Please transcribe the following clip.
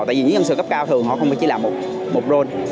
tại vì những nhân sự cao cấp thường họ không chỉ làm một role